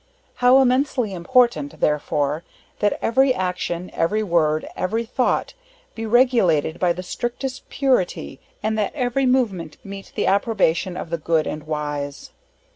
How immensely important, therefore, that every action, every word, every thought, be regulated by the strictest purity, and that every movement meet the approbation of the good and wise.